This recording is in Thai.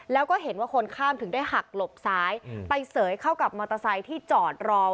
แล้วก็เห็นว่าคนข้ามถึงได้หักหลบซ้ายไปเสยเข้ากับมอเตอร์ไซค์ที่จอดรอ